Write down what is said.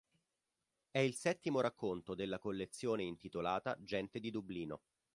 È il settimo racconto della collezione intitolata "Gente di Dublino".